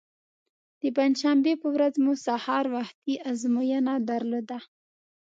د پنجشنبې په ورځ مو سهار وختي ازموینه درلوده.